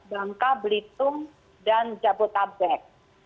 bangka belitung dan jabodetabek